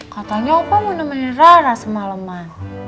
katanya opa menemani rara semaleman